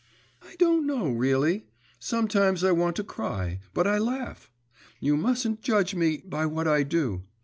'I don't know really. Sometimes I want to cry, but I laugh. You mustn't judge me by what I do.